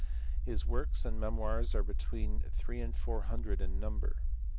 His works and memoirs are between three and four hundred in number.